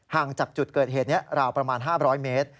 จากจุดเกิดเหตุนี้ราวประมาณ๕๐๐เมตร